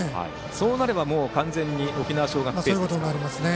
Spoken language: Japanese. そうなれば、完全に沖縄尚学ペースですか。